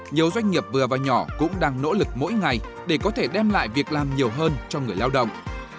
nhiều doanh nghiệp vừa và nhỏ cũng đang nỗ lực mỗi ngày để có thể đem lại việc làm nhiều hơn cho người lao động